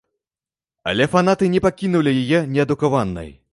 Але фанаты не пакінулі яе неадукаванай.